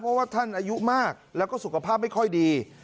เพราะว่าท่านอายุมากแล้วก็สุขภาพไม่ค่อยดี